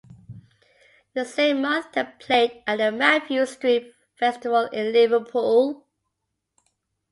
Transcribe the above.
The same month they played at The Mathew Street Festival in Liverpool.